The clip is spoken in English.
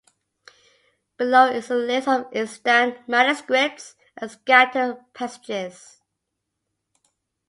Below is a list of extant manuscripts and scattered passages.